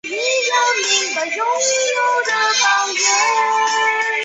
廖敏芳为软体业数位视讯领域中重要的专家之一。